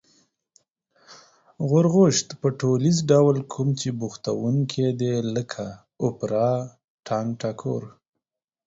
غورغوشت په ټولیز ډول کوم چې بوختوونکي دی لکه: اوپرا، ټنگټکور